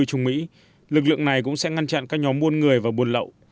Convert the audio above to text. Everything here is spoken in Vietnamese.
những người di cư trung mỹ lực lượng này cũng sẽ ngăn chặn các nhóm muôn người và buồn lậu